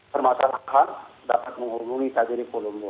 permasalahan dapat menghubungi kbri polombo